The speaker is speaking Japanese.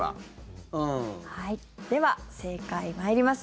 では、正解参ります。